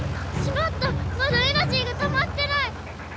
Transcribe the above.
まだエナジーがたまってない！